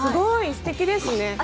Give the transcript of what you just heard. すてきですねあ！